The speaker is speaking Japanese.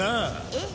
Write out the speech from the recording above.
えっ！？